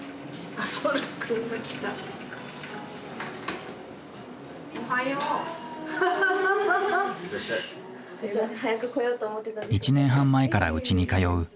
１年半前からうちに通う澤野さん。